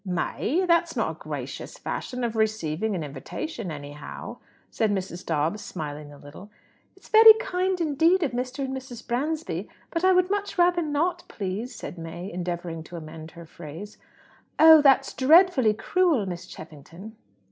"May! That's not a gracious fashion of receiving an invitation, anyhow," said Mrs. Dobbs, smiling a little. "It's very kind indeed of Mr. and Mrs. Bransby, but I would much rather not, please," said May, endeavouring to amend her phrase. "Oh, that's dreadfully cruel, Miss Cheffington!"